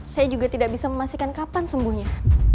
saya juga tidak bisa memastikan kapan sembuhnya